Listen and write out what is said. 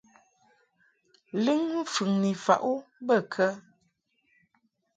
Lɨŋ mfɨŋni faʼ u bə kə ?